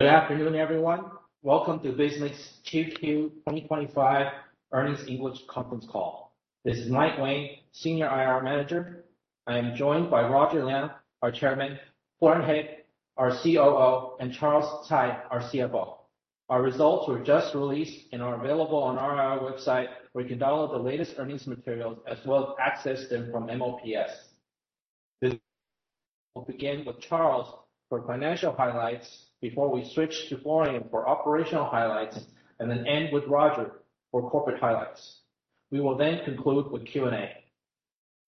Good afternoon, everyone. Welcome to BizLink's Q2 2025 Earnings English Conference call. This is Mike Wang, Senior IR Manager. I am joined by Roger Liang, our Chairman, Florian Hettich, our COO, and Charles Tsai, our CFO. Our results were just released and are available on our website, where you can download the latest earnings materials as well as access them from MOPS. We'll begin with Charles for financial highlights before we switch to Florian for operational highlights, and then end with Roger for corporate highlights. We will then conclude with Q&A.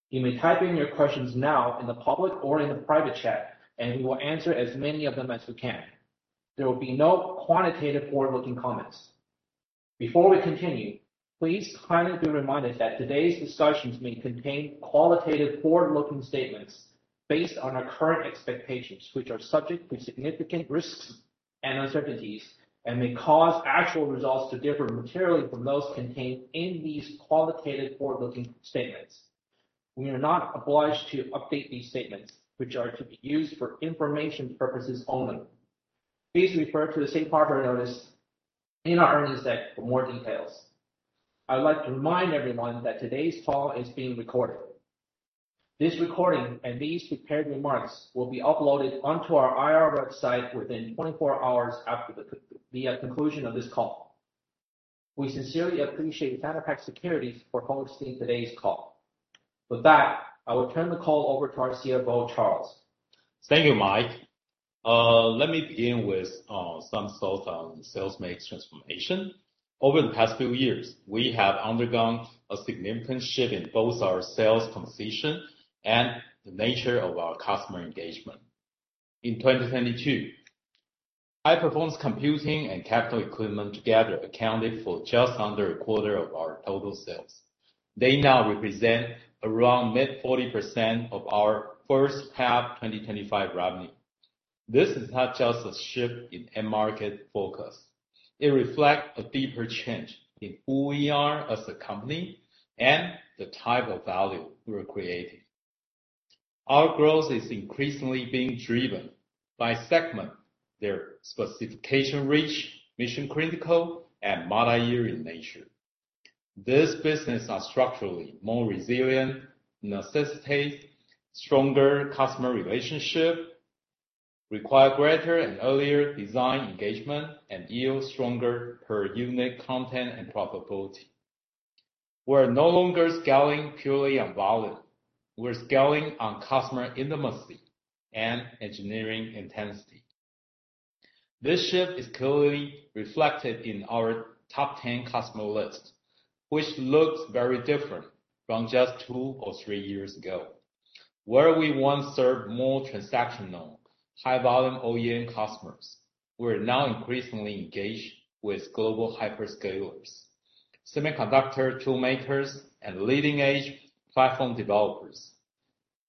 You may type in your questions now in the public or in the private chat, and we will answer as many of them as we can. There will be no quantitative forward-looking comments. Before we continue, please kindly be reminded that today's discussions may contain qualitative forward-looking statements based on our current expectations, which are subject to significant risks and uncertainties and may cause actual results to differ materially from those contained in these qualitative forward-looking statements. We are not obliged to update these statements, which are to be used for information purposes only. Please refer to the safe harbor notice in our earnings deck for more details. I would like to remind everyone that today's call is being recorded. This recording and these prepared remarks will be uploaded onto our IR website within 24 hours after the conclusion of this call. We sincerely appreciate SinoPac Securities for hosting today's call. With that, I will turn the call over to our CFO, Charles. Thank you, Mike. Let me begin with some thoughts on sales transformation. Over the past few years, we have undergone a significant shift in both our sales composition and the nature of our customer engagement. In 2022, high-performance computing and capital equipment together accounted for just under a quarter of our total sales. They now represent around mid-40% of our first half 2025 revenue. This is not just a shift in end market focus. It reflects a deeper change in who we are as a company and the type of value we're creating. Our growth is increasingly being driven by segments, their specification-rich, mission-critical, and multi-year nature. These businesses are structurally more resilient, necessitate stronger customer relationships, require greater and earlier design engagement, and yield stronger per-unit content and profitability. We're no longer scaling purely on volume. We're scaling on customer intimacy and engineering intensity. This shift is clearly reflected in our top 10 customer list, which looks very different from just two or three years ago. Where we once served more transactional, high-volume OEM customers, we're now increasingly engaged with global hyperscalers, semiconductor toolmakers, and leading-edge platform developers.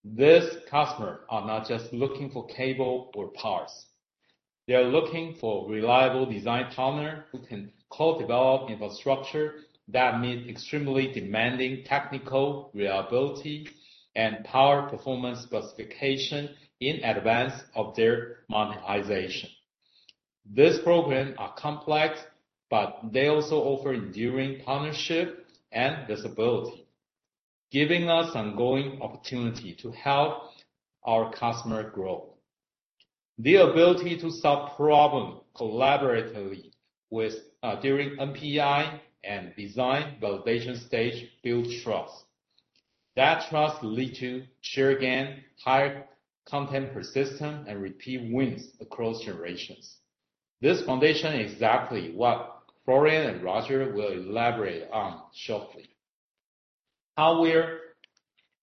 These customers are not just looking for cables or parts. They're looking for reliable design partners who can co-develop infrastructure that meets extremely demanding technical reliability and power performance specifications in advance of their monetization. These programs are complex, but they also offer enduring partnership and visibility, giving us ongoing opportunities to help our customers grow. The ability to solve problems collaboratively during NPI and design validation stage builds trust. That trust leads to share gain, higher content persistence, and repeat wins across generations. This foundation is exactly what Florian and Roger will elaborate on shortly. How we're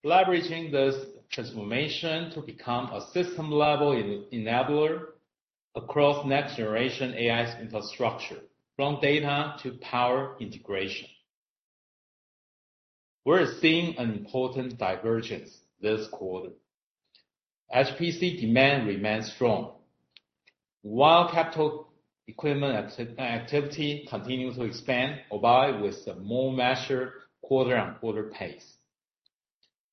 leveraging this transformation to become a system-level enabler across next-generation AI infrastructure, from data to power integration. We're seeing an important divergence this quarter. HPC demand remains strong. While capital equipment activity continues to expand, but with a more measured quarter-on-quarter pace.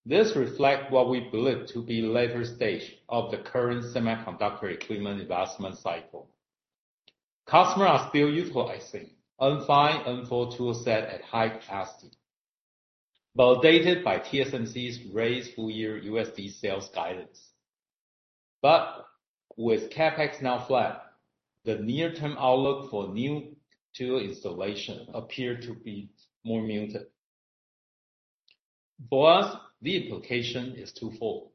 This reflects what we believe to be the later stage of the current semiconductor equipment investment cycle. Customers are still utilizing N5 N4 toolset at high capacity, validated by TSMC's raised full-year USD sales guidance. But with CapEx now flat, the near-term outlook for new tool installation appears to be more muted. For us, the implication is twofold.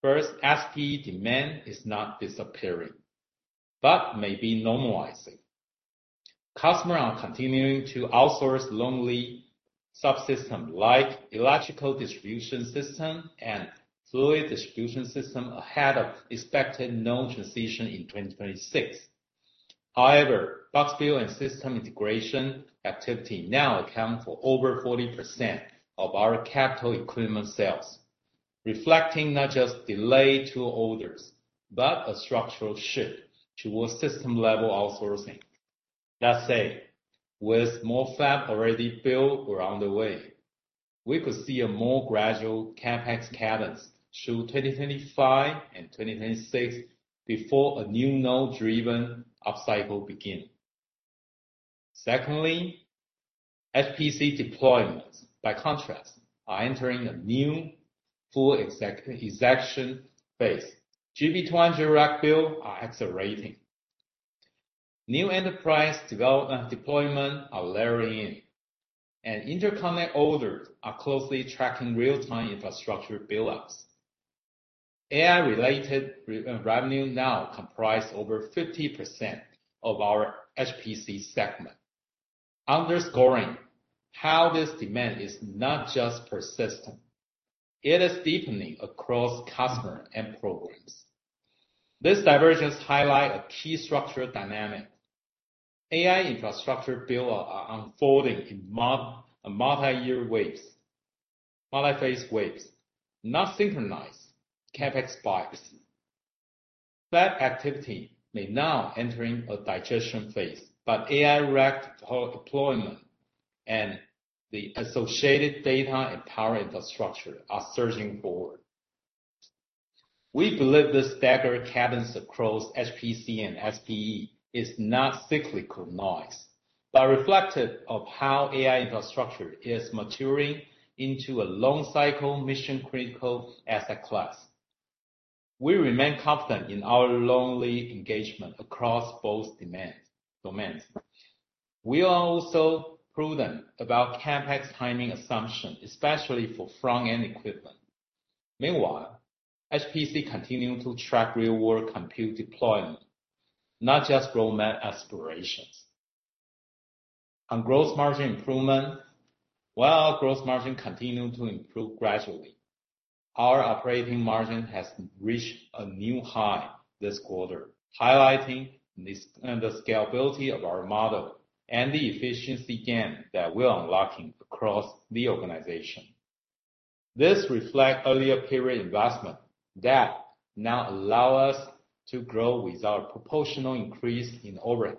First, SPE demand is not disappearing, but may be normalizing. Customers are continuing to outsource only subsystems like electrical distribution systems and fluid distribution systems ahead of expected node transition in 2026. However, box build and system integration activity now accounts for over 40% of our capital equipment sales, reflecting not just delayed tool orders, but a structural shift towards system-level outsourcing. That said, with more fab already built around the way, we could see a more gradual CapEx cadence through 2025 and 2026 before a new node-driven upcycle begins. Secondly, HPC deployments, by contrast, are entering a new full execution phase. GB200 rack builds are accelerating. New enterprise development deployments are layering in, and interconnect orders are closely tracking real-time infrastructure buildups. AI-related revenue now comprises over 50% of our HPC segment, underscoring how this demand is not just persistent. It is deepening across customers and programs. These divergences highlight a key structural dynamic. AI infrastructure buildups are unfolding in multi-year waves, multi-phase waves, not synchronized CapEx bias. That activity may now be entering a digestion phase, but AI rack deployment and the associated data and power infrastructure are surging forward. We believe this staggered cadence across HPC and SPE is not cyclical noise, but reflective of how AI infrastructure is maturing into a long-cycle mission-critical asset class. We remain confident in our long-standing engagement across both domains. We are also prudent about CapEx timing assumptions, especially for front-end equipment. Meanwhile, HPC continues to track real-world compute deployment, not just roadmap aspirations. On gross margin improvement, while our gross margin continues to improve gradually, our operating margin has reached a new high this quarter, highlighting the scalability of our model and the efficiency gains that we're unlocking across the organization. This reflects earlier period investments that now allow us to grow without a proportional increase in overhead.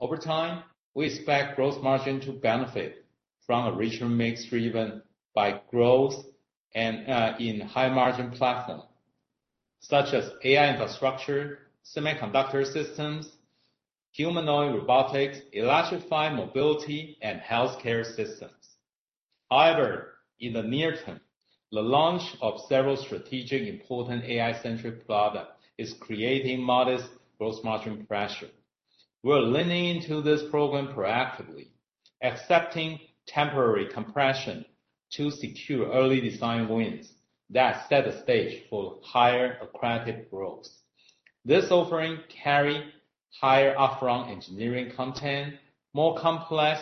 Over time, we expect gross margin to benefit from a richer mix driven by growth in high-margin platforms, such as AI infrastructure, semiconductor systems, humanoid robotics, electrical mobility, and healthcare systems. However, in the near term, the launch of several strategically important AI-centric products is creating modest gross margin pressure. We're leaning into this program proactively, accepting temporary compression to secure early design wins that set the stage for higher accretive growth. This offering carries higher upfront engineering content, more complex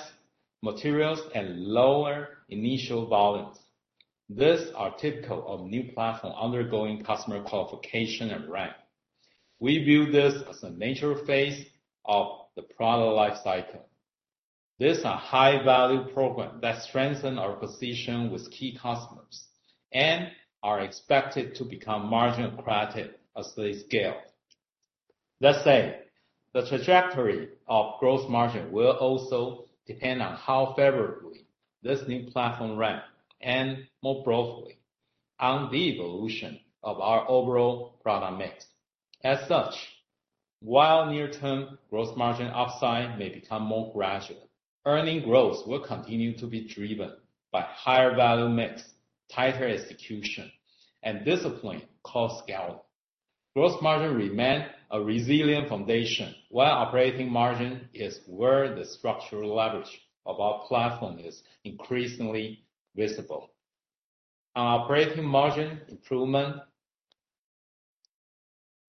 materials, and lower initial volumes. These are typical of new platforms undergoing customer qualification and ramp. We view this as a natural phase of the product lifecycle. These are high-value programs that strengthen our position with key customers and are expected to become margin-accretive as they scale. That said, the trajectory of gross margin will also depend on how favorably this new platform ranks and more broadly on the evolution of our overall product mix. As such, while near-term gross margin upside may become more gradual, earnings growth will continue to be driven by higher value mix, tighter execution, and disciplined scaling. Gross margin remains a resilient foundation while operating margin is where the structural leverage of our platform is increasingly visible. On operating margin improvement,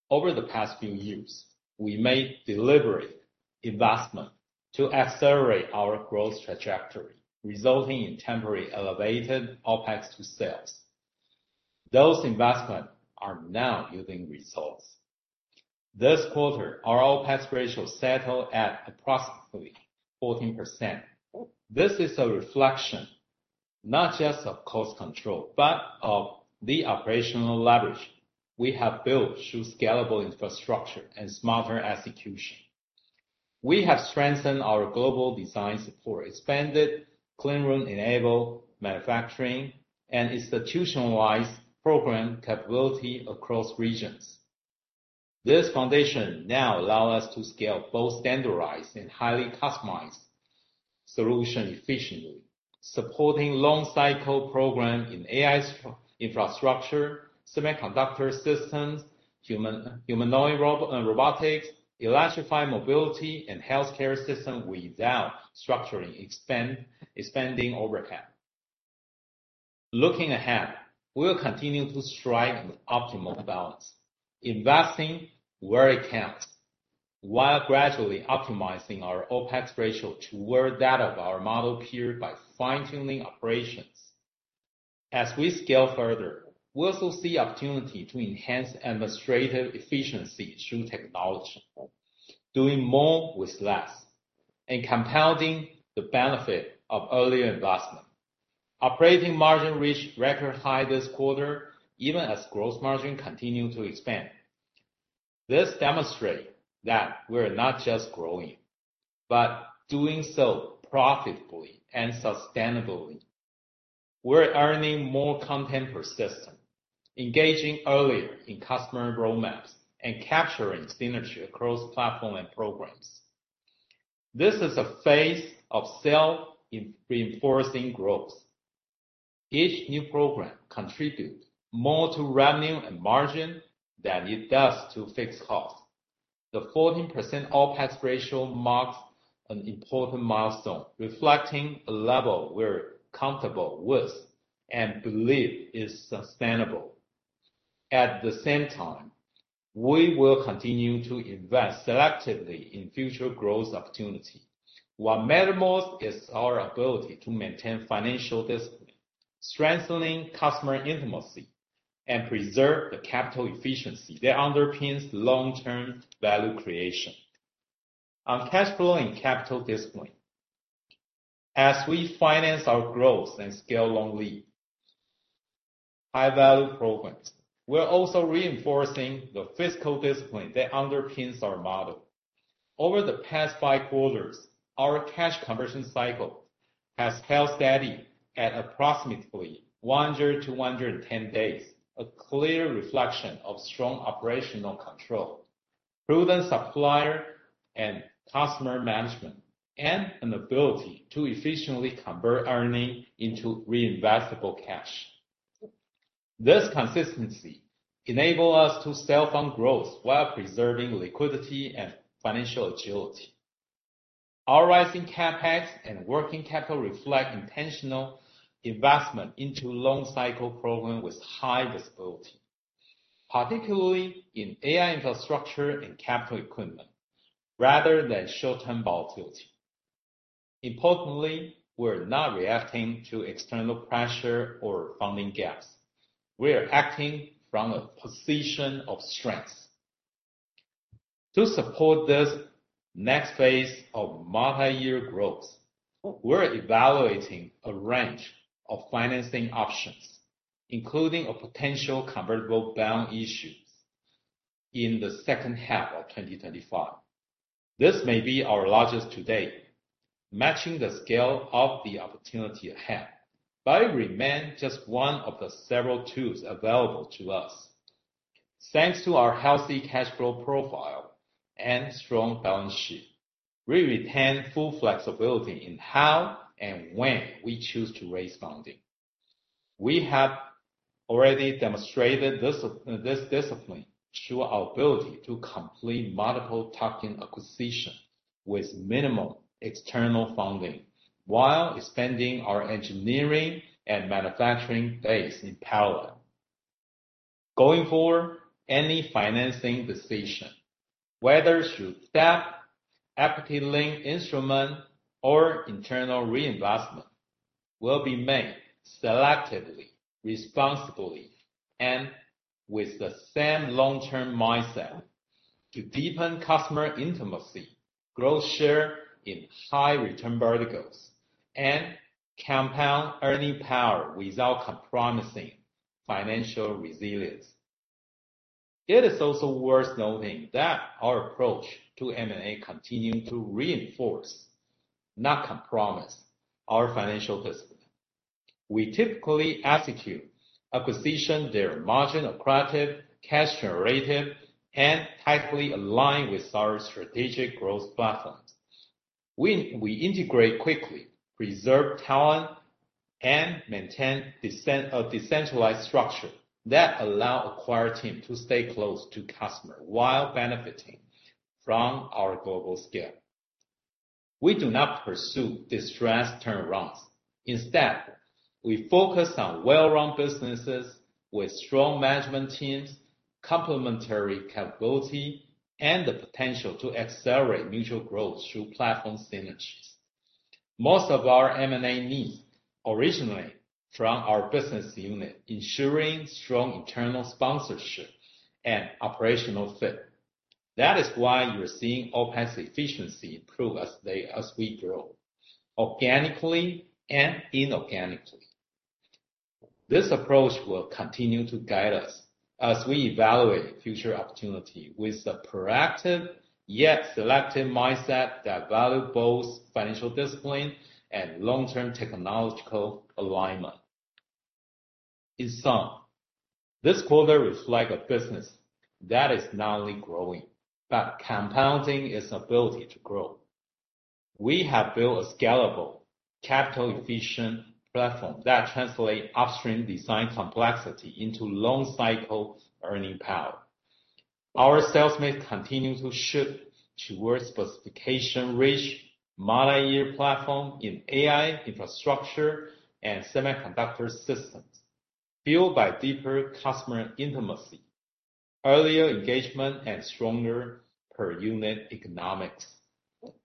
over the past few years, we made deliberate investments to accelerate our growth trajectory, resulting in temporarily elevated OpEx to sales. Those investments are now yielding results. This quarter, our OpEx ratio settled at approximately 14%. This is a reflection not just of cost control, but of the operational leverage we have built through scalable infrastructure and smarter execution. We have strengthened our global design support, expanded cleanroom-enabled manufacturing, and institutionalized program capability across regions. This foundation now allows us to scale both standardized and highly customized solutions efficiently, supporting long-cycle programs in AI infrastructure, semiconductor systems, humanoid robotics, electrical mobility, and healthcare systems without structurally expanding overhead. Looking ahead, we'll continue to strive for optimal balance, investing where it counts, while gradually optimizing our OpEx ratio to where that of our model peers by fine-tuning operations. As we scale further, we'll also see opportunities to enhance administrative efficiency through technology, doing more with less and compounding the benefit of earlier investments. Operating margin reached record high this quarter, even as gross margin continued to expand. This demonstrates that we're not just growing, but doing so profitably and sustainably. We're earning more content per system, engaging earlier in customer roadmaps, and capturing synergy across platform and programs. This is a phase of self-reinforcing growth. Each new program contributes more to revenue and margin than it does to fixed costs. The 14% OpEx ratio marks an important milestone, reflecting a level we're comfortable with and believe is sustainable. At the same time, we will continue to invest selectively in future growth opportunities, while our ethos is our ability to maintain financial discipline, strengthen customer intimacy, and preserve the capital efficiency that underpins long-term value creation. On cash flow and capital discipline, as we finance our growth and scale only high-value programs, we're also reinforcing the fiscal discipline that underpins our model. Over the past five quarters, our cash conversion cycle has held steady at approximately 100-110 days, a clear reflection of strong operational control, prudent supplier and customer management, and an ability to efficiently convert earnings into reinvestable cash. This consistency enables us to self-fund growth while preserving liquidity and financial agility. Our rising CapEx and working capital reflect intentional investment into long-cycle programs with high visibility, particularly in AI infrastructure and capital equipment, rather than short-term volatility. Importantly, we're not reacting to external pressure or funding gaps. We're acting from a position of strength. To support this next phase of multi-year growth, we're evaluating a range of financing options, including potential convertible bond issues in the second half of 2025. This may be our largest to date, matching the scale of the opportunity ahead, but it remains just one of the several tools available to us. Thanks to our healthy cash flow profile and strong balance sheet, we retain full flexibility in how and when we choose to raise funding. We have already demonstrated this discipline through our ability to complete multiple tuck-in acquisitions with minimal external funding while expanding our engineering and manufacturing base in parallel. Going forward, any financing decision, whether through debt, equity-linked instruments, or internal reinvestment, will be made selectively, responsibly, and with the same long-term mindset to deepen customer intimacy, grow share in high-return verticals, and compound earning power without compromising financial resilience. It is also worth noting that our approach to M&A continues to reinforce, not compromise, our financial discipline. We typically execute acquisitions that are margin-accretive, cash-generative, and tightly aligned with our strategic growth platforms. We integrate quickly, preserve talent, and maintain a decentralized structure that allows acquired teams to stay close to customers while benefiting from our global scale. We do not pursue distressed turnarounds. Instead, we focus on well-run businesses with strong management teams, complementary capability, and the potential to accelerate mutual growth through platform synergies. Most of our M&A needs originally come from our business unit, ensuring strong internal sponsorship and operational fit. That is why you're seeing OpEx efficiency improve as we grow, organically and inorganically. This approach will continue to guide us as we evaluate future opportunities with a proactive yet selective mindset that values both financial discipline and long-term technological alignment. In sum, this quarter reflects a business that is not only growing but compounding its ability to grow. We have built a scalable, capital-efficient platform that translates upstream design complexity into long-cycle earning power. Our sales mix continues to shift towards specification-rich multi-year platforms in AI infrastructure and semiconductor systems, fueled by deeper customer intimacy, earlier engagement, and stronger per-unit economics.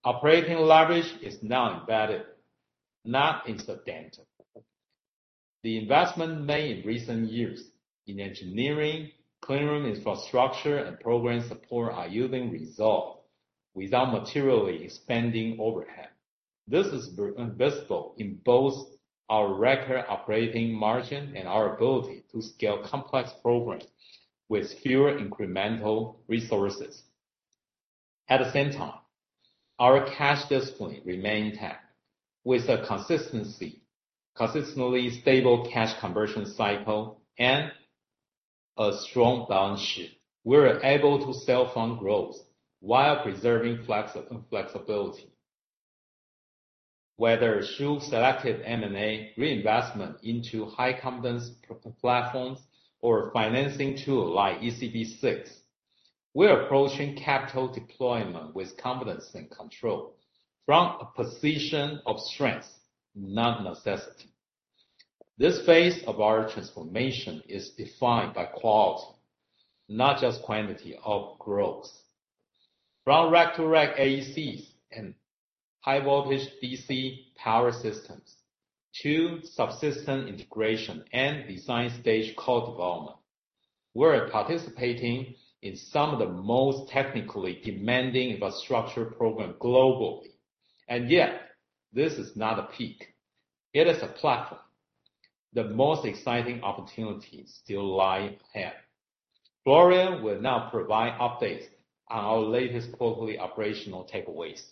Operating leverage is now embedded, not incidental. The investments made in recent years in engineering, cleanroom infrastructure, and program support are yielding results without materially expanding overhead. This is visible in both our record operating margin and our ability to scale complex programs with fewer incremental resources. At the same time, our cash discipline remains intact with a consistently stable cash conversion cycle and a strong balance sheet. We're able to self-fund growth while preserving flexibility. Whether through selective M&A, reinvestment into high-confidence platforms, or financing tools like ECB6, we're approaching capital deployment with confidence and control from a position of strength, not necessity. This phase of our transformation is defined by quality, not just quantity of growth. From rack-to-rack AECs and high-voltage DC power systems to subsystem integration and design stage core development, we're participating in some of the most technically demanding infrastructure programs globally, and yet, this is not a peak. It is a platform. The most exciting opportunities still lie ahead. Florian will now provide updates on our latest quarterly operational takeaways.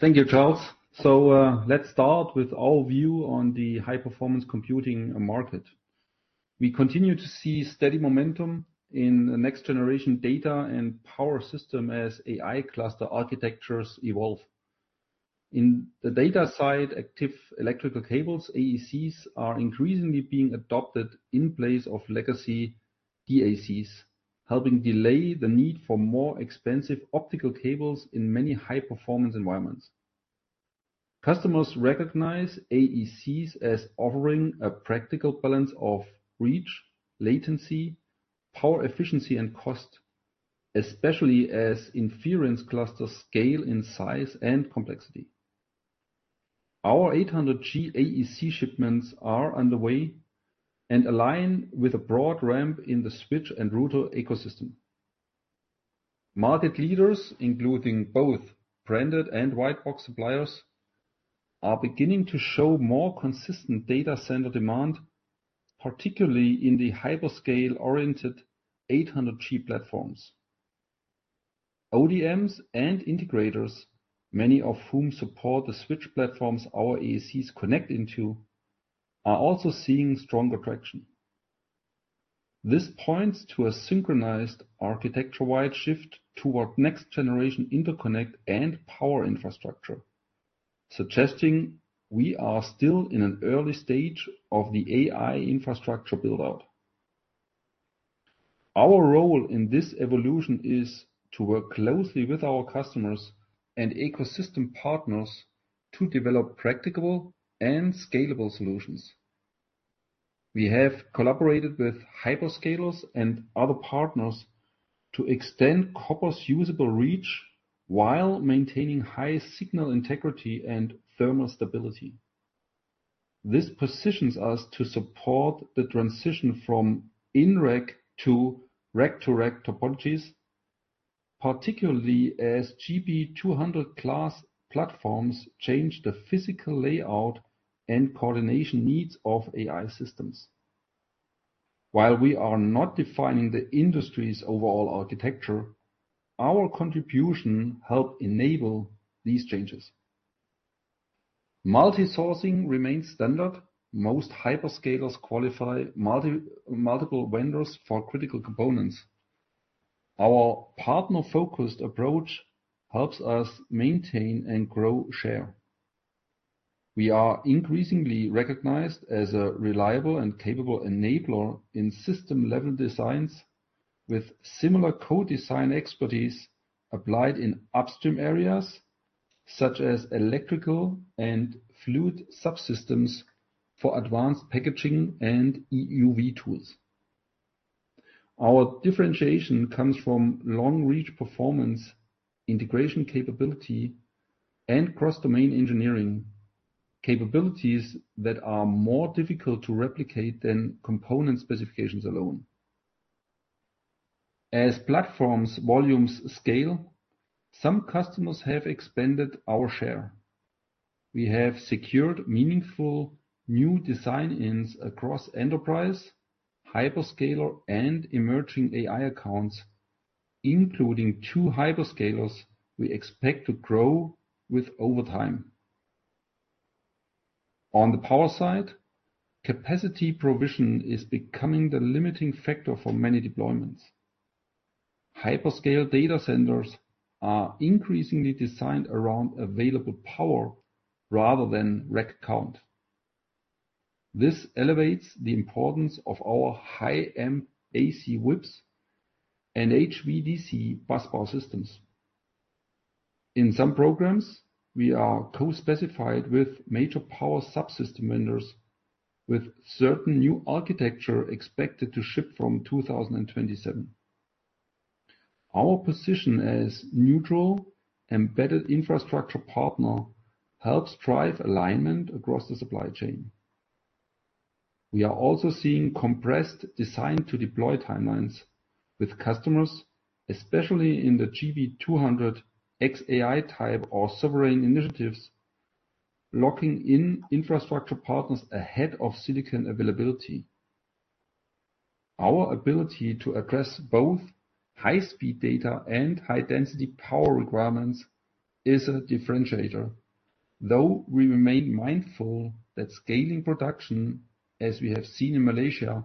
Thank you, Charles. So let's start with our view on the high-performance computing market. We continue to see steady momentum in next-generation data and power systems as AI cluster architectures evolve. In the data side, active electrical cables, AECs, are increasingly being adopted in place of legacy DACs, helping delay the need for more expensive optical cables in many high-performance environments. Customers recognize AECs as offering a practical balance of reach, latency, power efficiency, and cost, especially as inference clusters scale in size and complexity. Our 800G AEC shipments are underway and align with a broad ramp in the switch and router ecosystem. Market leaders, including both branded and white-box suppliers, are beginning to show more consistent data center demand, particularly in the hyperscale-oriented 800G platforms. ODMs and integrators, many of whom support the switch platforms our AECs connect into, are also seeing stronger traction. This points to a synchronized architecture-wide shift toward next-generation interconnect and power infrastructure, suggesting we are still in an early stage of the AI infrastructure buildout. Our role in this evolution is to work closely with our customers and ecosystem partners to develop practical and scalable solutions. We have collaborated with hyperscalers and other partners to extend copper's usable reach while maintaining high signal integrity and thermal stability. This positions us to support the transition from in-rack to rack-to-rack topologies, particularly as GB200-class platforms change the physical layout and coordination needs of AI systems. While we are not defining the industry's overall architecture, our contribution helps enable these changes. Multi-sourcing remains standard. Most hyperscalers qualify multiple multiple vendors for critical components. Our partner-focused approach helps us maintain and grow share. We are increasingly recognized as a reliable and capable enabler in system-level designs with similar co-design expertise applied in upstream areas such as electrical and fluid subsystems for advanced packaging and EUV tools. Our differentiation comes from long-reach performance integration capability and cross-domain engineering capabilities that are more difficult to replicate than component specifications alone. As platforms' volumes scale, some customers have expanded our share. We have secured meaningful new design ins across enterprise, hyperscaler, and emerging AI accounts, including two hyperscalers we expect to grow with over time. On the power side, capacity provision is becoming the limiting factor for many deployments. Hyperscale data centers are increasingly designed around available power rather than rack count. This elevates the importance of our high-amp AC power whips and HVDC busbar systems. In some programs, we are co-specified with major power subsystem vendors with certain new architecture expected to ship from 2027. Our position as neutral embedded infrastructure partner helps drive alignment across the supply chain. We are also seeing compressed design-to-deploy timelines with customers, especially in the GB200 xAI type or sovereign initiatives, locking in infrastructure partners ahead of silicon availability. Our ability to address both high-speed data and high-density power requirements is a differentiator, though we remain mindful that scaling production, as we have seen in Malaysia,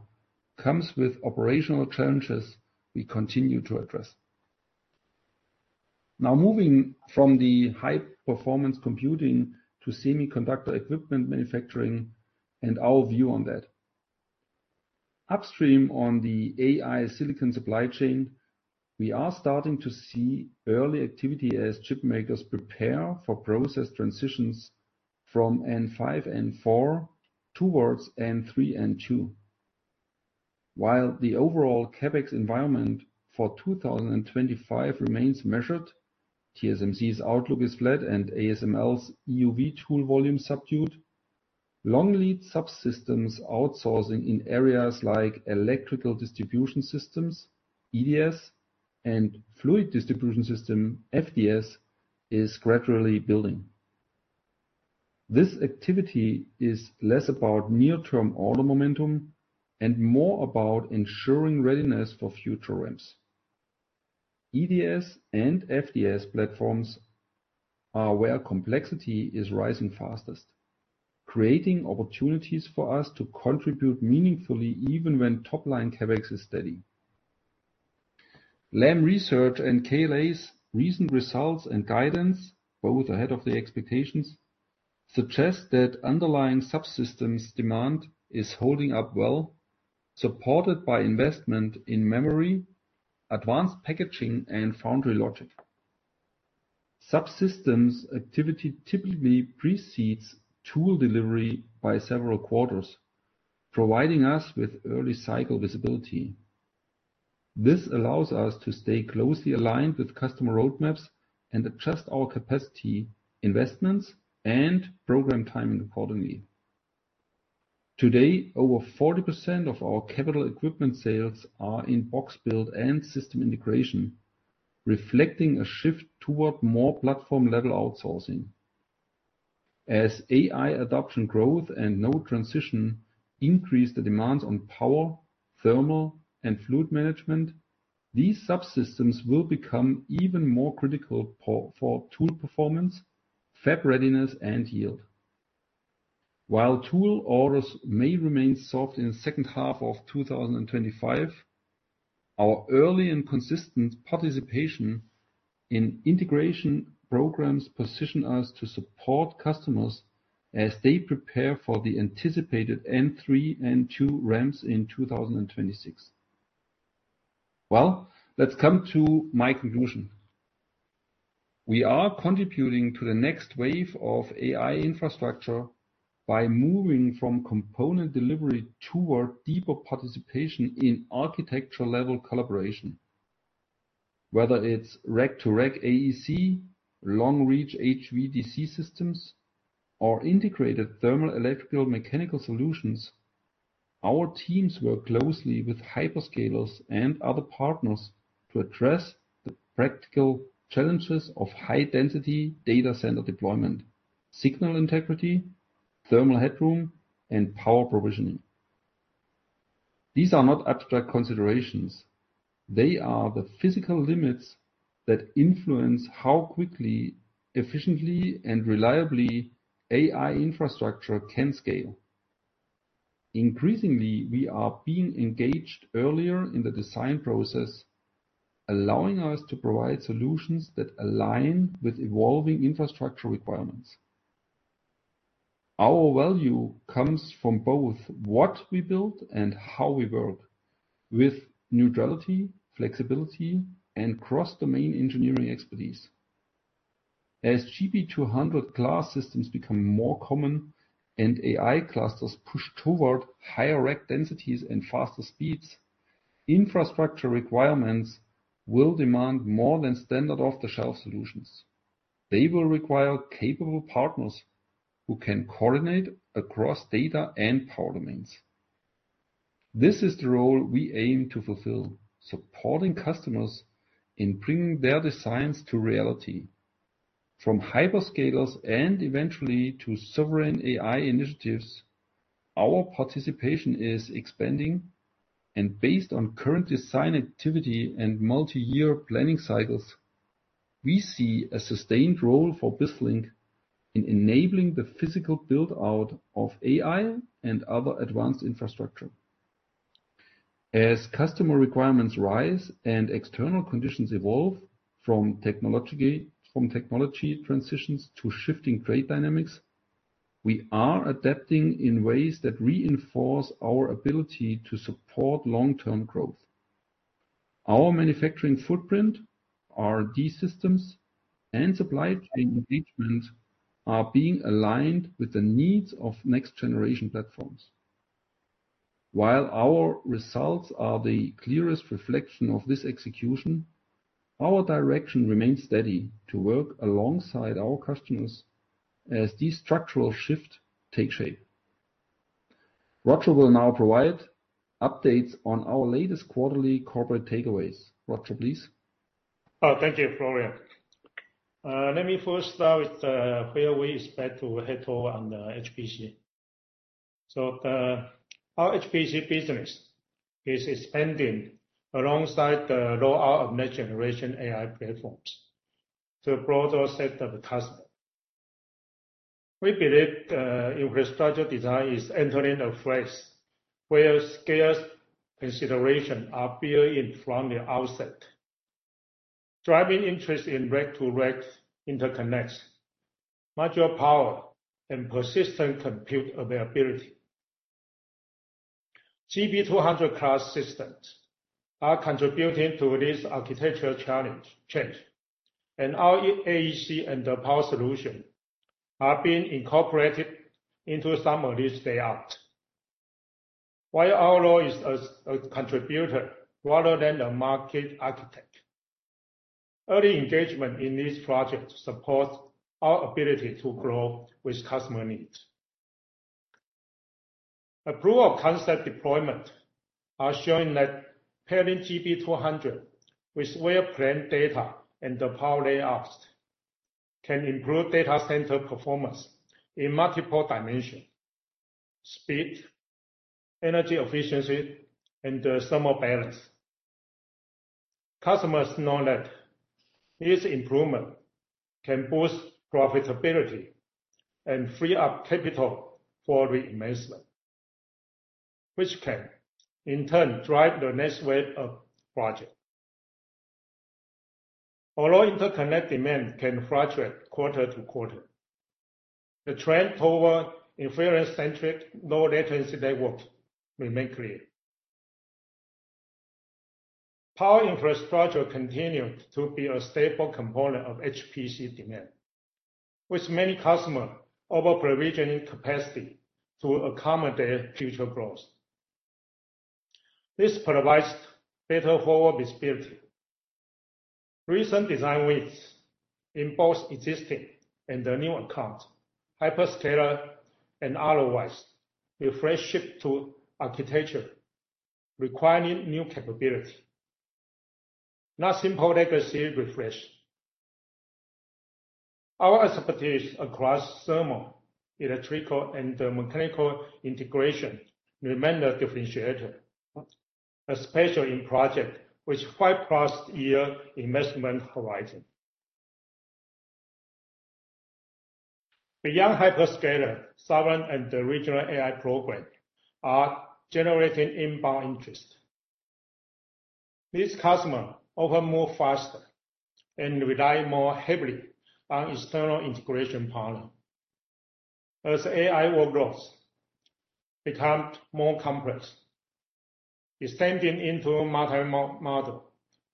comes with operational challenges we continue to address. Now, moving from the high-performance computing to semiconductor equipment manufacturing and our view on that. Upstream on the AI silicon supply chain, we are starting to see early activity as chip makers prepare for process transitions from N5, N4 towards N3, N2. While the overall CapEx environment for 2025 remains measured, TSMC's outlook is flat, and ASML's EUV tool volume subdued. Long-lead subsystems outsourcing in areas like electrical distribution systems (EDS) and fluid distribution systems (FDS) is gradually building. This activity is less about near-term order momentum and more about ensuring readiness for future ramps. EDS and FDS platforms are where complexity is rising fastest, creating opportunities for us to contribute meaningfully even when top-line CapEx is steady. Lam Research and KLA's recent results and guidance, both ahead of the expectations, suggest that underlying subsystems demand is holding up well, supported by investment in memory, advanced packaging, and foundry logic. Subsystems activity typically precedes tool delivery by several quarters, providing us with early cycle visibility. This allows us to stay closely aligned with customer roadmaps and adjust our capacity investments and program timing accordingly. Today, over 40% of our capital equipment sales are in box build and system integration, reflecting a shift toward more platform-level outsourcing. As AI adoption growth and node transition increase the demands on power, thermal, and fluid management, these subsystems will become even more critical for for tool performance, fab readiness, and yield. While tool orders may remain soft in the second half of 2025, our early and consistent participation in integration programs position us to support customers as they prepare for the anticipated N3, N2 ramps in 2026. Well, let's come to my conclusion. We are contributing to the next wave of AI infrastructure by moving from component delivery toward deeper participation in architecture-level collaboration. Whether it's rack-to-rack AEC, long-reach HVDC systems, or integrated thermal electrical mechanical solutions, our teams work closely with hyperscalers and other partners to address the practical challenges of high-density data center deployment, signal integrity, thermal headroom, and power provisioning. These are not abstract considerations. They are the physical limits that influence how quickly, efficiently, and reliably AI infrastructure can scale. Increasingly, we are being engaged earlier in the design process, allowing us to provide solutions that align with evolving infrastructure requirements. Our value comes from both what we build and how we work, with neutrality, flexibility, and cross-domain engineering expertise. As GB200-class systems become more common and AI clusters push toward higher rack densities and faster speeds, infrastructure requirements will demand more than standard off-the-shelf solutions. They will require capable partners who can coordinate across data and power domains. This is the role we aim to fulfill, supporting customers in bringing their designs to reality. From hyperscalers and eventually to sovereign AI initiatives, our participation is expanding, and based on current design activity and multi-year planning cycles, we see a sustained role for BizLink in enabling the physical buildout of AI and other advanced infrastructure. As customer requirements rise and external conditions evolve from technology and technology transitions to shifting trade dynamics, we are adapting in ways that reinforce our ability to support long-term growth. Our manufacturing footprint, our EDS, and supply chain engagement are being aligned with the needs of next-generation platforms. While our results are the clearest reflection of this execution, our direction remains steady to work alongside our customers as these structural shifts take shape. Roger will now provide updates on our latest quarterly corporate takeaways. Roger, please. Thank you, Florian. Let me first start with where we expect to head over on the HPC. So our HPC business is expanding alongside the rollout of next-generation AI platforms to a broader set of customers. We believe infrastructure design is entering a phase where scale considerations are built in from the outset, driving interest in rack-to-rack interconnects, major power, and persistent compute availability. GB200-class systems are contributing to this architectural challenge change, and our AEC and the power solution are being incorporated into some of these layouts. While our role is as a contributor rather than a market architect, early engagement in these projects supports our ability to grow with customer needs. Proof-of-concept deployments are showing that pairing GB200 with well-planned data and the power layouts can improve data center performance in multiple dimensions: speed, energy efficiency, and thermal balance. Customers know that these improvements can boost profitability and free up capital for reinvestment, which can in turn drive the next wave of projects. Although interconnect demand can fluctuate quarter to quarter, the trend toward inference-centric low-latency networks remains clear. Power infrastructure continues to be a stable component of HPC demand, with many customers over-provisioning capacity to accommodate future growth. This provides better forward visibility. Recent design wins in both existing and the new accounts, hyperscaler and otherwise, refresh shift to architecture requiring new capability. Not simple legacy refresh. Our expertise across thermal, electrical, and mechanical integration remains a differentiator, especially in projects with five-plus year investment horizon. Beyond hyperscaler, sovereign and regional AI programs are generating inbound interest. These customers often move faster and rely more heavily on external integration partners. As AI workloads become more complex, extending into multimodal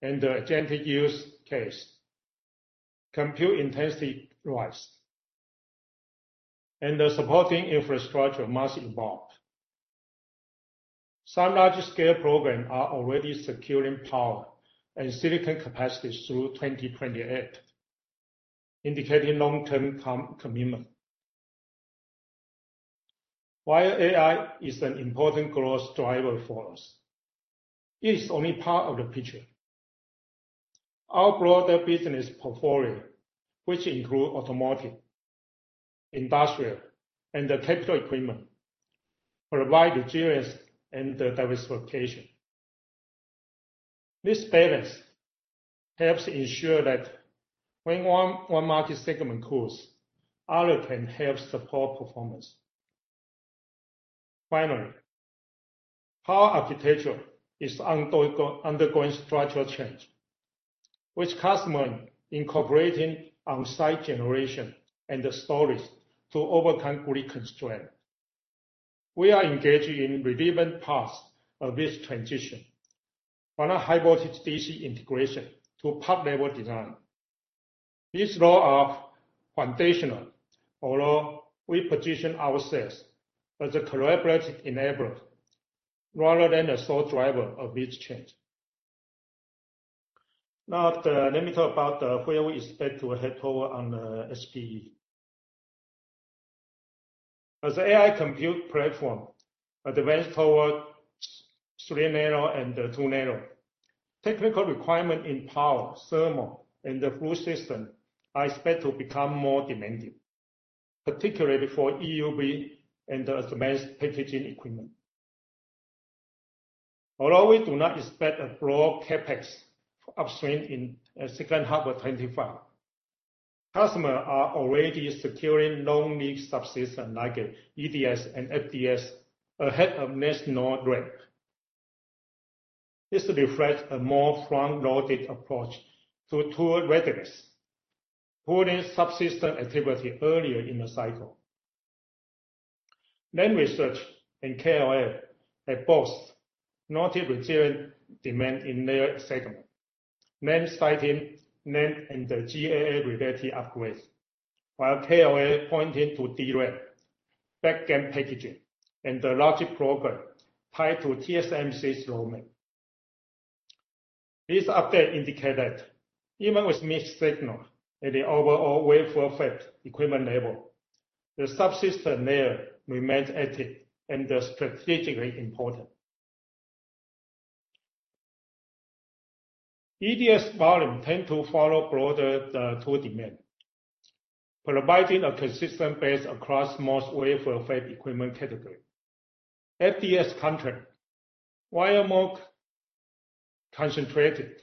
and the agentic use case, compute intensity rises, and the supporting infrastructure must evolve. Some large-scale programs are already securing power and silicon capacity through 2028, indicating long-term commitment. While AI is an important growth driver for us, it is only part of the picture. Our broader business portfolio, which includes automotive, industrial, and the capital equipment, provides resilience and diversification. This balance helps ensure that when one market segment grows, others can help support performance. Finally, power architecture is undergoing structural change, with customers incorporating on-site generation and storage to overcome grid constraints. We are engaged in delivering parts of this transition from a hybrid DC integration to part-level design. This rollout is foundational, although we position ourselves as a collaborative enabler rather than a sole driver of this change. Now, let me turn to where we expect to head over on the SPE. As the AI compute platform advances toward 3nm and 2nm, technical requirements in power, thermal, and the fluid system are expected to become more demanding, particularly for EUV and advanced packaging equipment. Although we do not expect a broad CapEx upswing in the second half of 2025, customers are already securing long-lead subsystems like EDS and FDS ahead of next node rack. This reflects a more front-loaded approach to tool readiness, pulling subsystem activity earlier in the cycle. Lam Research and KLA have both noted resilient demand in their segment, Lam citing NAND and the GAA-related upgrades, while KLA pointing to DRAM, back-end packaging, and the logic program tied to TSMC's roadmap. This update indicates that even with mixed signals at the overall wafer fab equipment level, the subsystem layer remains active and strategically important. EDS volume tends to follow broader tool demand, providing a consistent base across most wafer fab equipment categories. FDS, contrary, while more concentrated,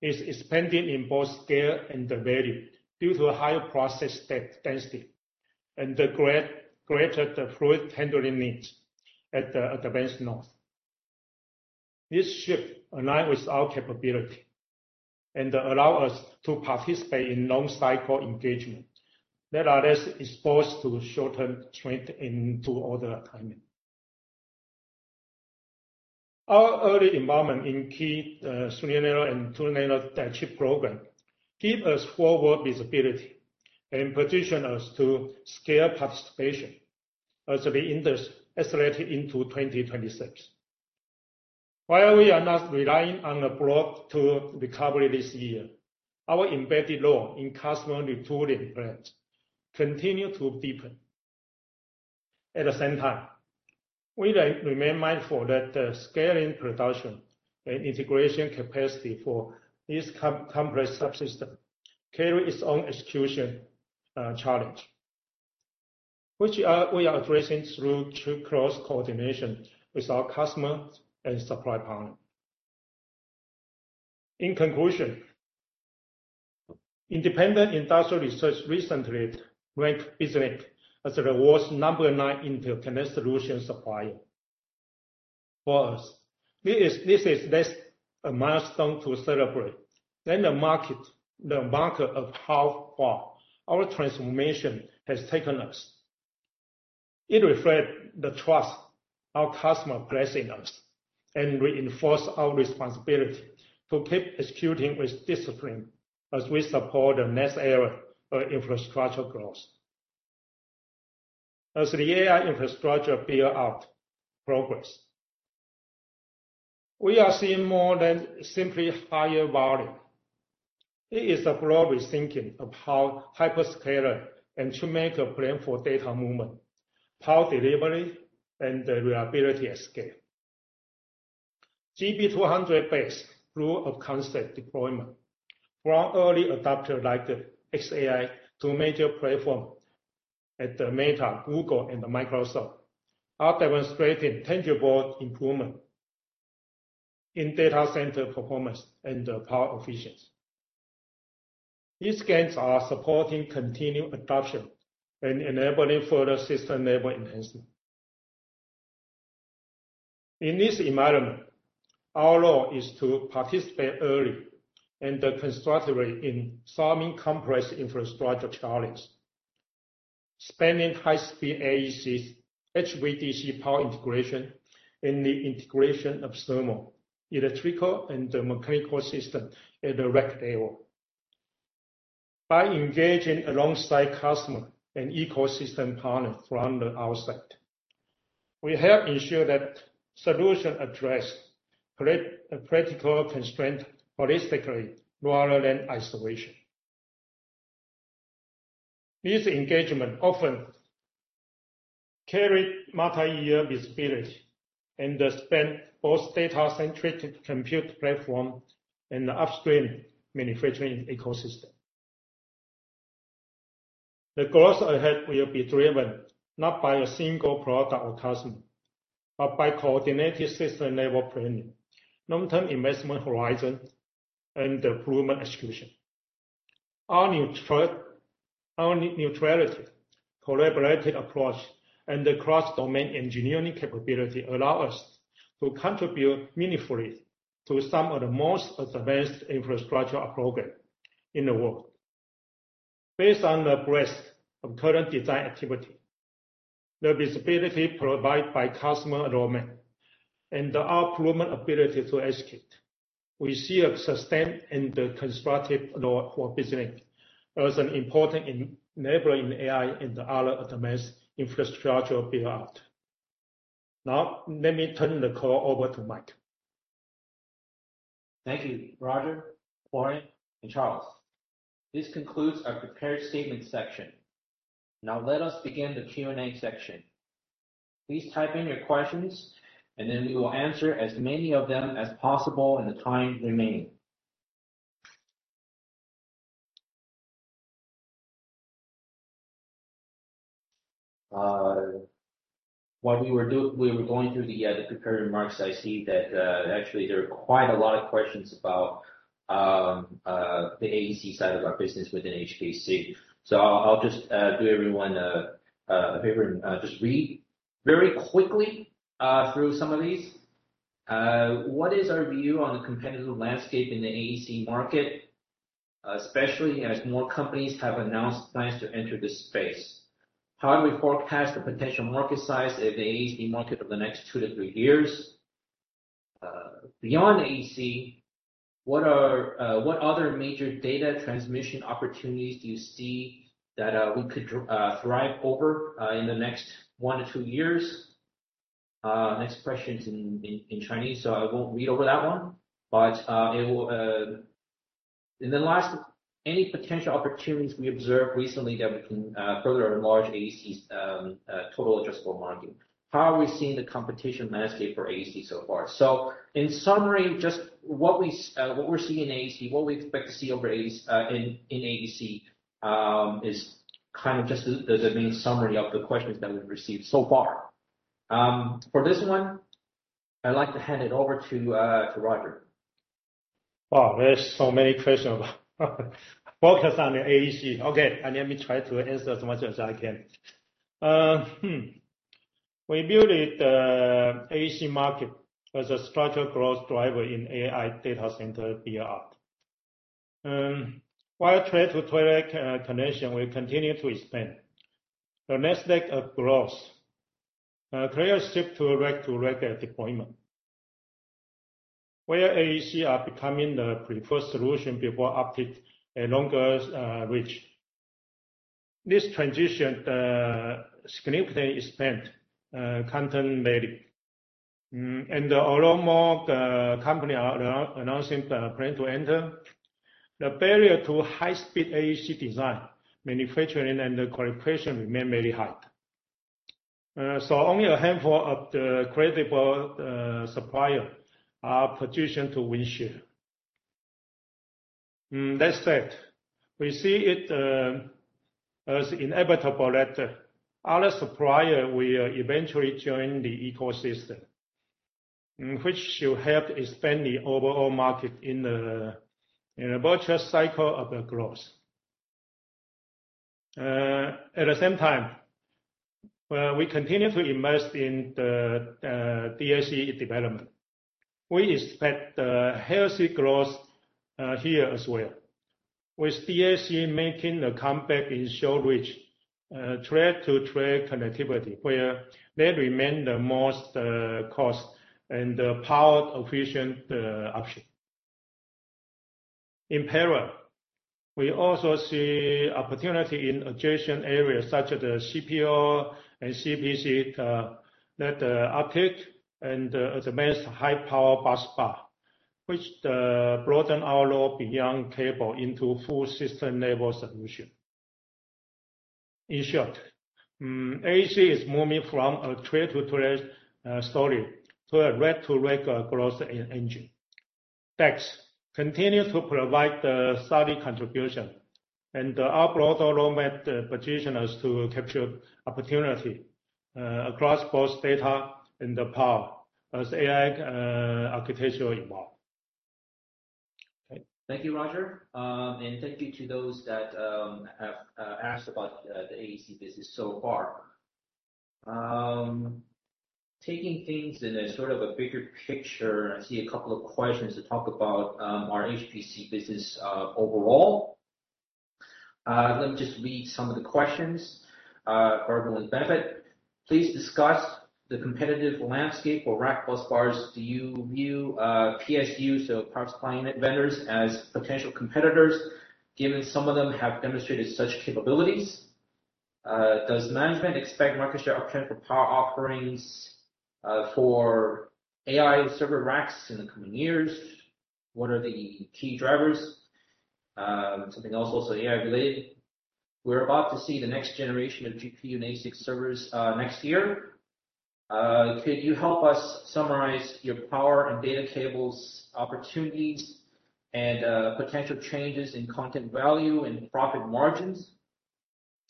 is expanding in both scale and value due to higher process density and the greater fluid handling needs at the advanced node. This shift aligns with our capability and allows us to participate in long-cycle engagement, not exposed to short-term trade and to other timing. Our early involvement in key 3nm and 2nm chip programs gives us forward visibility and positions us to scale participation as we accelerate into 2026. While we are not relying on a broad tool recovery this year, our embedded role in customer retooling plans continues to deepen. At the same time, we remain mindful that the scaling production and integration capacity for this complex subsystem carries its own execution challenge, which we are addressing through close coordination with our customers and supply partners. In conclusion, independent industry research recently ranked BizLink as the world's number nine interconnect solution supplier. For us, this is less a milestone to celebrate than a marker of how far our transformation has taken us. It reflects the trust our customers place in us and reinforces our responsibility to keep executing with discipline as we support the next era of infrastructure growth. As the AI infrastructure buildout progresses, we are seeing more than simply higher volume. It is a broad rethinking of how hyperscalers and tool makers plan for data movement, power delivery, and the reliability at scale. GB200-based proof-of-concept deployment from early adopters like xAI to major platforms at Meta, Google, and Microsoft are demonstrating tangible improvements in data center performance and power efficiency. These gains are supporting continued adoption and enabling further system-level enhancement. In this environment, our role is to participate early and constructively in solving complex infrastructure challenges, spanning high-speed AECs, HVDC power integration, and the integration of thermal, electrical, and mechanical systems at the rack level. By engaging alongside customers and ecosystem partners from the outside, we help ensure that solutions address critical constraints holistically rather than in isolation. These engagements often carry multi-year visibility and span both data-centric compute platforms and the upstream manufacturing ecosystem. The growth ahead will be driven not by a single product or customer, but by coordinated system-level planning, long-term investment horizon, and improved execution. Our neutrality, collaborative approach, and the cross-domain engineering capability allow us to contribute meaningfully to some of the most advanced infrastructure programs in the world. Based on the breadth of current design activity, the visibility provided by customer involvement, and our improved ability to execute, we see a sustained and constructive role for BizLink as an important enabler in AI and other advanced infrastructure buildout. Now, let me turn the call over to Mike. Thank you, Roger, Florian, and Charles. This concludes our prepared statement section. Now, let us begin the Q&A section. Please type in your questions, and then we will answer as many of them as possible in the time remaining. While we were going through the prepared remarks, I see that actually there are quite a lot of questions about the AEC side of our business within HPC. So I'll just do everyone a favor and just read very quickly through some of these. What is our view on the competitive landscape in the AEC market, especially as more companies have announced plans to enter this space? How do we forecast the potential market size of the AEC market over the next two to three years? Beyond AEC, what other major data transmission opportunities do you see that we could thrive over in the next one to two years? Next question is in Chinese, so I won't read over that one. But lastly, any potential opportunities we observed recently that we can further enlarge AEC's total addressable market? How are we seeing the competition landscape for AEC so far? So in summary, just what what we're seeing in AEC, what we expect to see in AEC is kind of just the main summary of the questions that we've received so far. For this one, I'd like to hand it over to Roger. Wow, there's so many questions about, focus on the AEC. Okay, let me try to answer as much as I can. We view the AEC market as a structural growth driver in AI data center buildout. While tray-to-tray connection will continue to expand, the next leg of growth clearly shift to rack-to-rack deployment, where AEC are becoming the preferred solution before opting for a longer reach. This transition significantly expands content value. And although more companies are announcing plans to enter, the barrier to high-speed AEC design, manufacturing, and qualification remains very high. So only a handful of the credible suppliers are positioned to win share. That said, we see it as inevitable that other suppliers will eventually join the ecosystem, which should help expand the overall market in the virtuous cycle of growth. At the same time, we continue to invest in the DAC development. We expect healthy growth here as well, with DAC making a comeback in short-reach tray-to-tray connectivity, where they remain the most cost and power-efficient option. In parallel, we also see opportunities in adjacent areas such as the CPO and CPC uptake and advanced high-power busbar, which broaden our role beyond cable into full system-level solution. In short, AEC is moving from a tray-to-tray story to a rack-to-rack growth engine. DACs continue to provide the steady contribution, and our broader role may position us to capture opportunity across both data and power as AI architecture evolves. Thank you, Roger, and thank you to those that have asked about the AEC business so far. Taking things in sort of a bigger picture, I see a couple of questions to talk about our HPC business overall. Let me just read some of the questions. For everyone's benefit, please discuss the competitive landscape for rack busbars. Do you view PSUs, so power supply unit vendors, as potential competitors, given some of them have demonstrated such capabilities? Does management expect market share uptrend for power offerings for AI server racks in the coming years? What are the key drivers? Something else also AI-related. We're about to see the next generation of GPU and ASIC servers next year. Could you help us summarize your power and data cables opportunities and potential changes in content value and profit margins?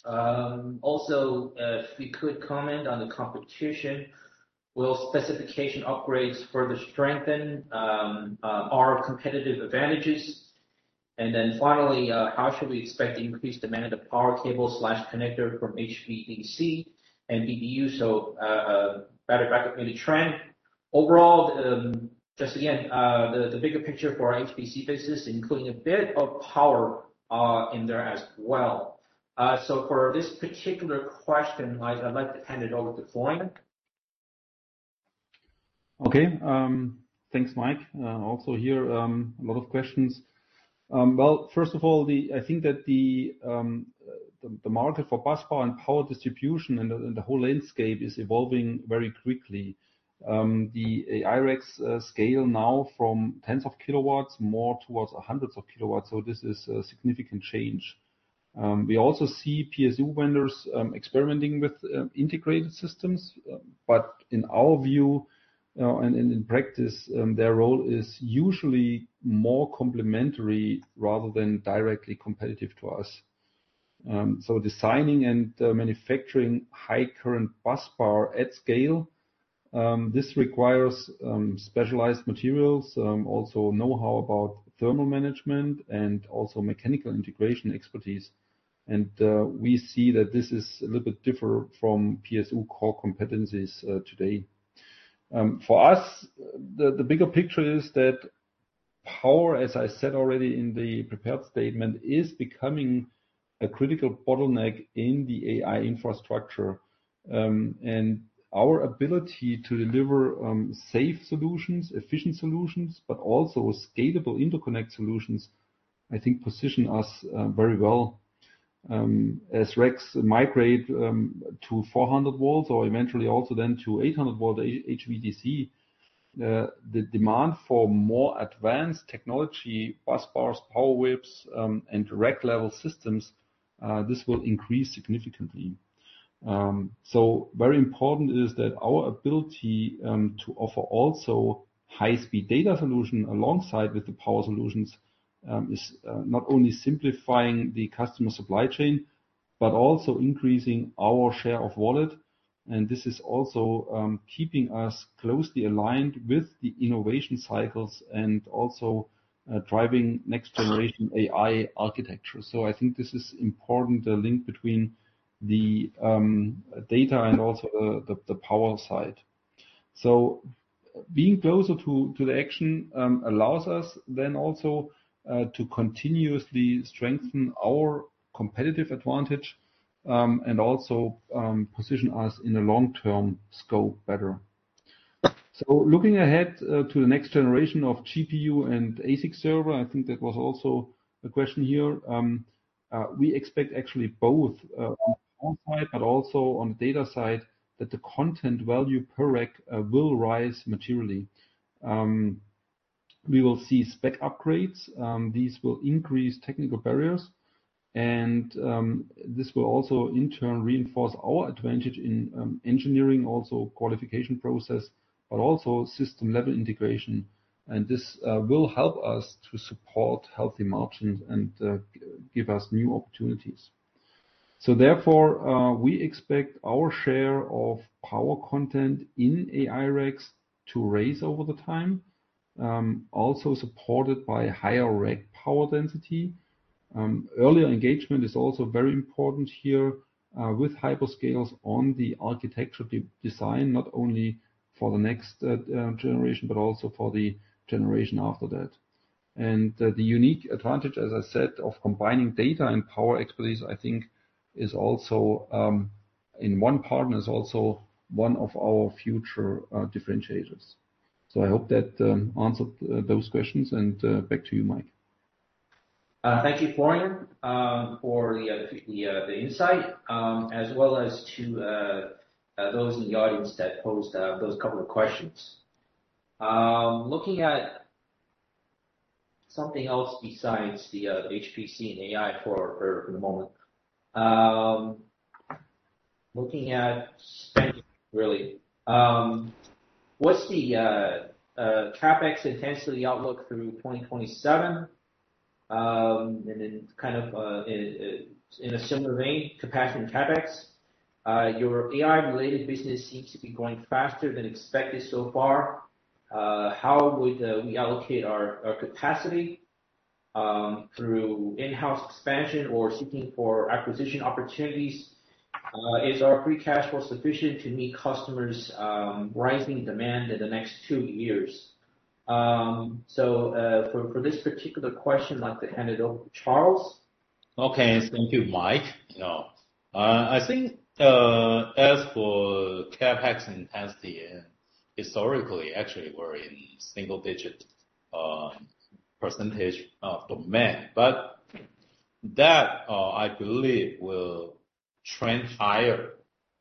Also, if you could comment on the competition, will specification upgrades further strengthen our competitive advantages? And then finally, how should we expect to increase demand of power cables/connectors from HPC and BBU, so battery backup unit trend? Overall, just again, the bigger picture for our HPC business, including a bit of power in there as well. So for this particular question, I'd like to hand it over to Florian. Okay. Thanks, Mike. Also here, a lot of questions. Well, first of all, I think that the market for busbar and power distribution and the whole landscape is evolving very quickly. The AI racks scale now from tens of kilowatts more towards hundreds of kilowatts, so this is a significant change. We also see PSU vendors experimenting with integrated systems, but in our view and in practice, their role is usually more complementary rather than directly competitive to us. So designing and manufacturing high-current busbar at scale, this requires specialized materials, also know-how about thermal management, and also mechanical integration expertise. And we see that this is a little bit different from PSU core competencies today. For us, the bigger picture is that power, as I said already in the prepared statement, is becoming a critical bottleneck in the AI infrastructure. And our ability to deliver safe solutions, efficient solutions, but also scalable interconnect solutions, I think, position us very well. As racks migrate to 400 volts or eventually also then to 800 volts HVDC, the demand for more advanced technology, busbars, power whips, and rack-level systems, this will increase significantly. So very important is that our ability to offer also high-speed data solutions alongside the power solutions is not only simplifying the customer supply chain, but also increasing our share of wallet. And this is also keeping us closely aligned with the innovation cycles and also driving next-generation AI architecture. So I think this is important, the link between the data and also the power side. So being closer to the action allows us then also to continuously strengthen our competitive advantage and also position us in a long-term scope better. So looking ahead to the next generation of GPU and ASIC server, I think that was also a question here. We expect actually both on the power side, but also on the data side, that the content value per rack will rise materially. We will see spec upgrades. These will increase technical barriers. And this will also in turn reinforce our advantage in engineering, also qualification process, but also system-level integration. And this will help us to support healthy margins and give us new opportunities. So therefore, we expect our share of power content in AI racks to rise over time, also supported by higher rack power density. Earlier engagement is also very important here with hyperscalers on the architecture design, not only for the next generation, but also for the generation after that. And the unique advantage, as I said, of combining data and power expertise, I think, is also in one part and is also one of our future differentiators. So I hope that answered those questions. Back to you, Mike. Thank you, Florian, for the insight, as well as to those in the audience that posed those couple of questions. Looking at something else besides the HPC and AI for the moment, looking at spending, really, what's the CapEx intensity outlook through 2027? And then kind of in a similar vein, capacity and CapEx, your AI-related business seems to be going faster than expected so far. How would we allocate our capacity through in-house expansion or seeking for acquisition opportunities? Is our free cash flow sufficient to meet customers' rising demand in the next two years? So for this particular question, I'd like to hand it over to Charles. Okay. Thank you, Mike. I think as for CapEx intensity, historically, actually, we're in single-digit % of demand. But that, I believe, will trend higher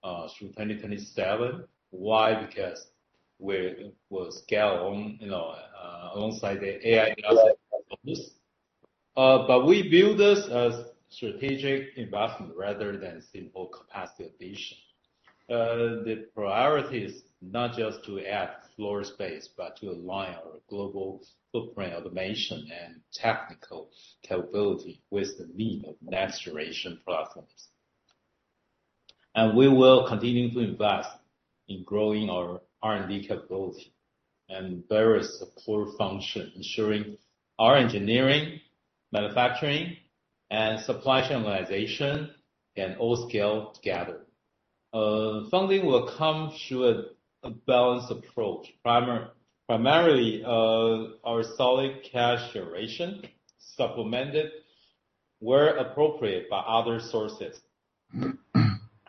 through 2027. Why? Because we will scale, you know, alongside the AI assets. But we view this as strategic investment rather than simple capacity addition. The priority is not just to add floor space, but to align our global footprint automation and technical capability with the need of next-generation platforms, and we will continue to invest in growing our R&D growth and various support functions, ensuring our engineering, manufacturing, and supply chain organization can all scale together. Funding will come through a balanced approach. Primarily, our solid cash generation supplemented where appropriate by other sources.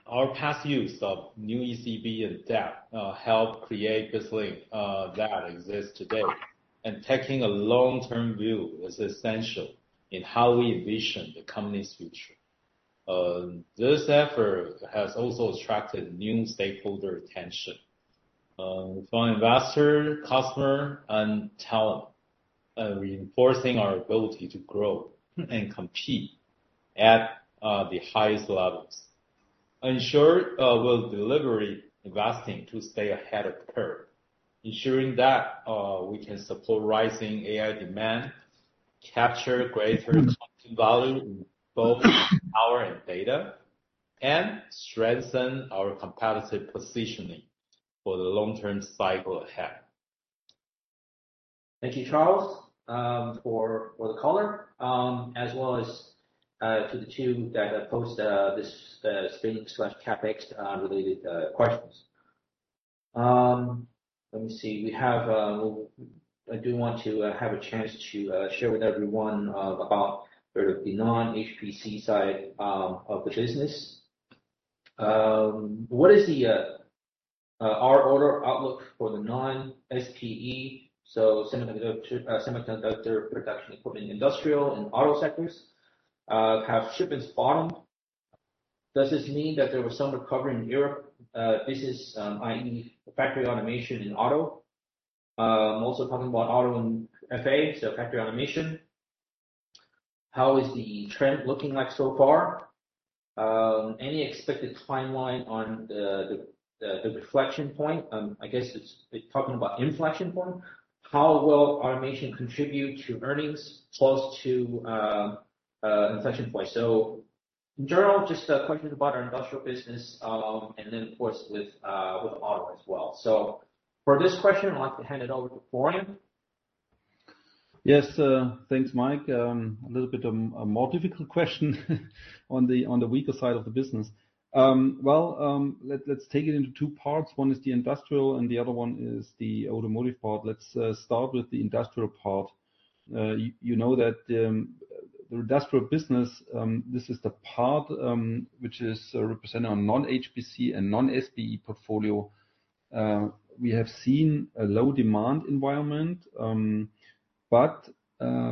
Our past use of new ECB and DAP helped create this link that exists today, and taking a long-term view is essential in how we envision the company's future. This effort has also attracted new stakeholder attention from investors, customers, and talent, reinforcing our ability to grow and compete at the highest levels. Ensure we'll deliver investing to stay ahead of the curve, ensuring that we can support rising AI demand, capture greater cost value in both power and data, and strengthen our competitive positioning for the long-term cycle ahead. Thank you, Charles, for the caller, as well as to the two that posted this space/CapEx-related questions. Let me see. I do want to have a chance to share with everyone about sort of the non-HPC side of the business. What is our order outlook for the non-SPE, so semiconductor production equipment, industrial, and auto sectors? Have shipments bottomed? Does this mean that there was some recovery in Europe business, i.e., factory automation in auto? Also talking about auto and FA, so factory automation. How is the trend looking like so far? Any expected timeline on the the inflection point? I guess it's talking about inflection point. How will automation contribute to earnings close to inflection point? So in general, just questions about our industrial business and then, of course, with auto as well. So for this question, I'd like to hand it over to Florian. Yes. Thanks, Mike. A little bit of a more difficult question on the weaker side of the business. Well, let's take it into two parts. One is the industrial, and the other one is the automotive part. Let's start with the industrial part. You know that the industrial business, this is the part which is represented on non-HPC and non-SPE portfolio. We have seen a low-demand environment, but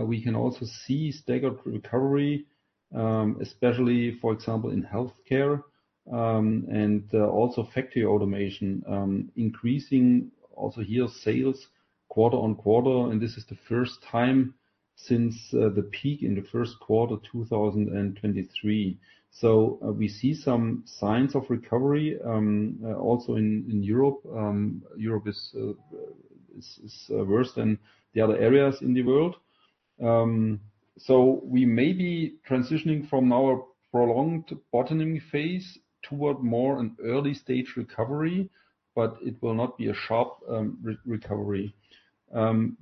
we can also see staggered recovery, especially, for example, in healthcare and also factory automation increasing also here sales quarter on quarter. And this is the first time since the peak in the first quarter of 2023. So we see some signs of recovery also in Europe. Europe is worse than the other areas in the world. So we may be transitioning from our prolonged bottoming phase toward more an early-stage recovery, but it will not be a sharp recovery.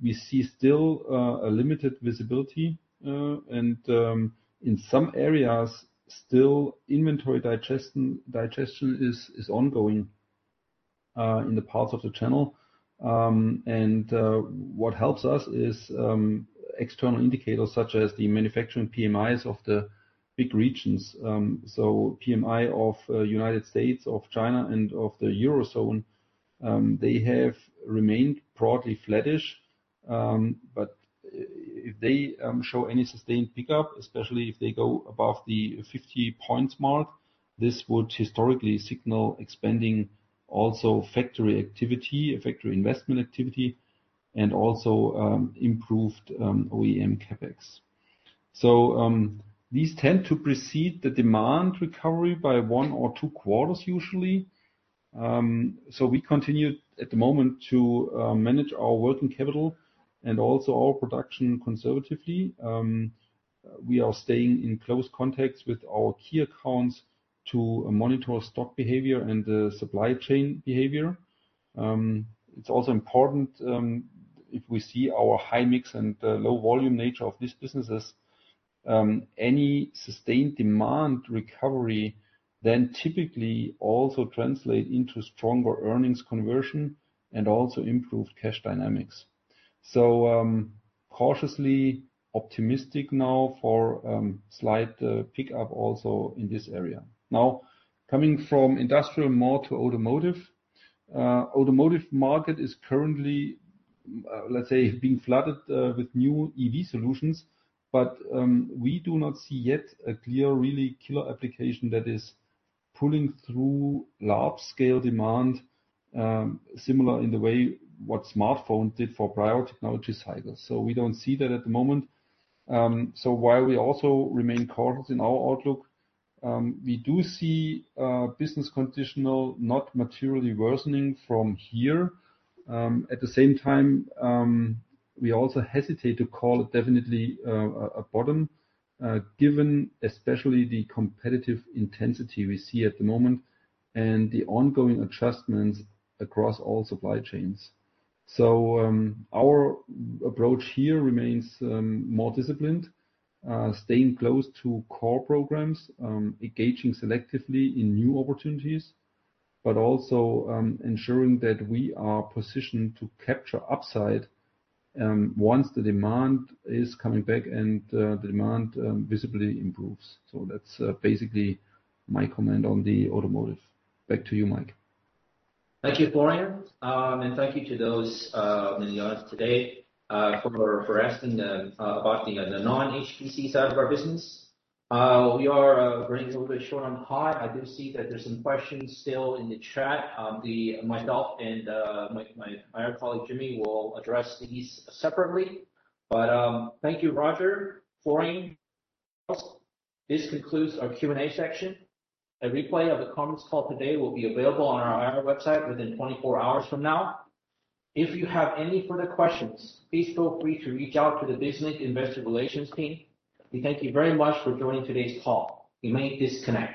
We see still a limited visibility. And in some areas, still inventory digestion digestion is ongoing in the parts of the channel. And what helps us is external indicators such as the manufacturing PMIs of the big regions. So PMI of the United States, of China, and of the Eurozone, they have remained broadly flattish. But if they show any sustained pickup, especially if they go above the 50-point mark, this would historically signal expanding also factory activity, factory investment activity, and also improved OEM CapEx. So these tend to precede the demand recovery by one or two quarters, usually. So we continue at the moment to manage our working capital and also our production conservatively. We are staying in close contact with our key accounts to monitor stock behavior and supply chain behavior. It's also important if we see our high mix and low volume nature of these businesses, any sustained demand recovery then typically also translates into stronger earnings conversion and also improved cash dynamics. So cautiously optimistic now for slight pickup also in this area. Now, coming from industrial more to automotive, the automotive market is currently, let's say, being flooded with new EV solutions. But we do not see yet a clear, really killer application that is pulling through large-scale demand similar in the way what smartphones did for prior technology cycles. So we don't see that at the moment. So while we also remain cautious in our outlook, we do see business conditions will not materially worsen from here. At the same time, we also hesitate to call it definitely a bottom, given especially the competitive intensity we see at the moment and the ongoing adjustments across all supply chains. So our approach here remains more disciplined, staying close to core programs, engaging selectively in new opportunities, but also ensuring that we are positioned to capture upside once the demand is coming back and the demand visibly improves. So that's basically my comment on the automotive. Back to you, Mike. Thank you, Florian. And thank you to those in the audience today for asking about the non-HPC side of our business. We are running a little bit short on time. I do see that there's some questions still in the chat. Myself and my IR colleague, Jimmy, will address these separately. But thank you, Roger, Florian. This concludes our Q&A section. A replay of the conference call today will be available on our IR website within 24 hours from now. If you have any further questions, please feel free to reach out to the BizLink Investor Relations team. We thank you very much for joining today's call. We may disconnect.